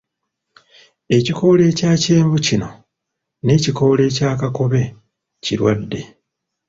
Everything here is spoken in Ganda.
Ekikoola ekya kyenvu kino n'ekikolo ekya kakobe kirwadde.